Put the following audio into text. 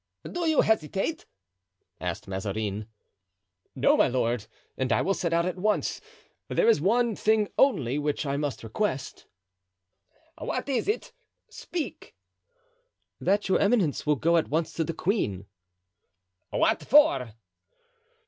"Do you hesitate?" asked Mazarin. "No, my lord, and I will set out at once. There is one thing only which I must request." "What is it? Speak." "That your eminence will go at once to the queen." "What for?"